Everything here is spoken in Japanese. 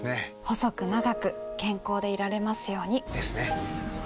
細く長く健康でいられますように。ですね。